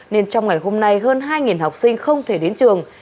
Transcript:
nên trong ngày hôm nay hơn hai học sinh không thể đến trường